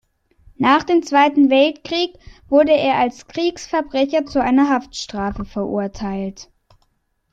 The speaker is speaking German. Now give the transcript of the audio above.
Nach dem Zweiten Weltkrieg wurde er als Kriegsverbrecher zu einer Haftstrafe verurteilt.